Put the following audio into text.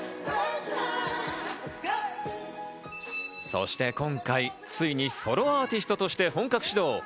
そして今回、ついにソロアーティストとして本格始動。